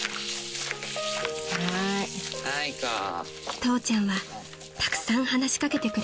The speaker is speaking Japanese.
［父ちゃんはたくさん話し掛けてくれました］